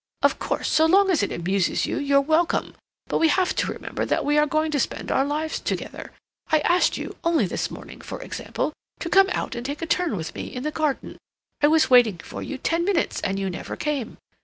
"Of course, so long as it amuses you, you're welcome; but we have to remember that we are going to spend our lives together. I asked you, only this morning, for example, to come out and take a turn with me in the garden. I was waiting for you ten minutes, and you never came.